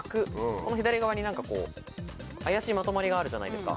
この左側に何か怪しいまとまりがあるじゃないですか。